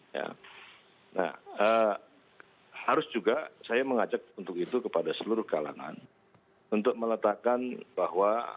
nah harus juga saya mengajak untuk itu kepada seluruh kalangan untuk meletakkan bahwa